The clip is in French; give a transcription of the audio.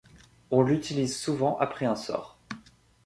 On l'utilise souvent après un sort.